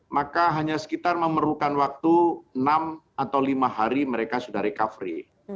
maka hanya sekitar memerlukan waktu enam atau lima hari mereka sudah recovery